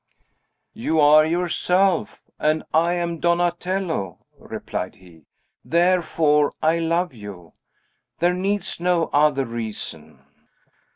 "You are yourself, and I am Donatello," replied he. "Therefore I love you! There needs no other reason."